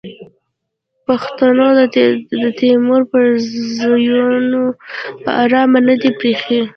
پښتنو د تیمور پوځیان پر ارامه نه دي پریښي.